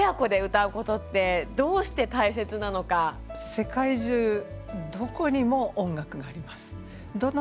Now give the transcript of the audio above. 世界中どこにも音楽があります。